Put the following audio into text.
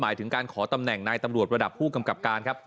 หมายถึงการขอตำแหน่งนายตำรวจระดับผู้กำกับการครับ